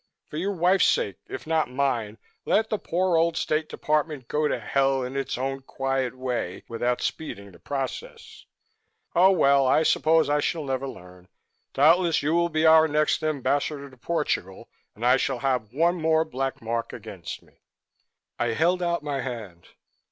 For your wife's sake, if not mine, let the poor old State Department go to hell in its own quiet way without speeding the process Oh, well, I suppose I shall never learn. Doubtless you will be our next Ambassador to Portugal and I shall have one more black mark against me." I held out my hand.